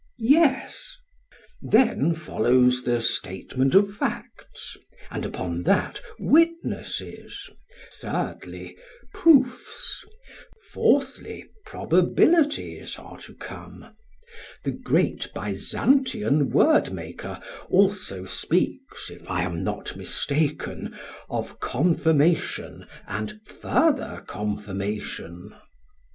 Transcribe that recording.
PHAEDRUS: Yes. SOCRATES: Then follows the statement of facts, and upon that witnesses; thirdly, proofs; fourthly, probabilities are to come; the great Byzantian word maker also speaks, if I am not mistaken, of confirmation and further confirmation.